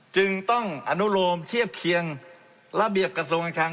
จึงต้องอนุโลมเทียบเคียงระเบียบกระทรวงการคลัง